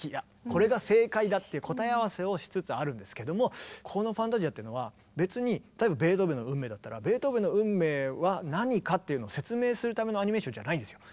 これが正解だっていう答え合わせをしつつあるんですけどもこの「ファンタジア」ってのは別に例えばベートーベンの「運命」だったらベートーベンの「運命」は何かっていうの説明するためのアニメーションじゃないですよ。